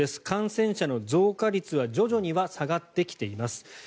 感染者の増加率は徐々には下がってきています。